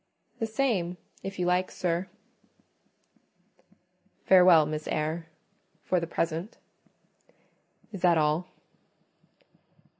"The same, if you like, sir." "Farewell, Miss Eyre, for the present; is that all?"